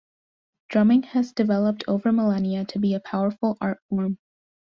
Drumming has developed over millennia to be a powerful art form.